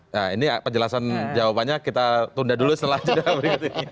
nah ini penjelasan jawabannya kita tunda dulu setelah jeda berikut ini